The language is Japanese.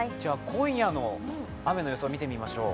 今夜の雨の予想見てみましょう。